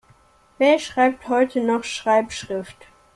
Wer schreibt heute noch Schreibschrift?